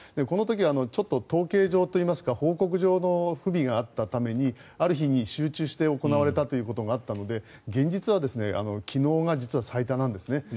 この時はちょっと統計上といいますか報告上の不備があったためにある日に集中して行われたということがあったので現実は昨日が実は最多なんですね。